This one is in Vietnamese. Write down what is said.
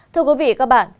thưa quý vị và các bạn